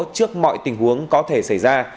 trước mọi tình huống có thể xảy ra